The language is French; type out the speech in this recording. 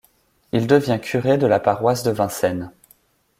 Il devient curé de la paroisse de Vincennes.